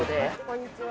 こんにちは。